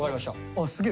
あすげえ